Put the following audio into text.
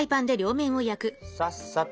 さっさと。